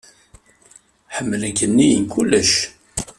Ḥemmlen-k nnig n kulec.